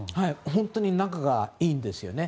本当に仲がいいんですよね。